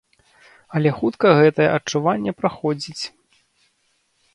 Але хутка гэтае адчуванне праходзіць.